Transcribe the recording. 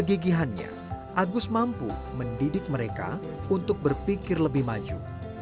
kegigihannya agus mampu mendidik mereka untuk berpikir lebih maju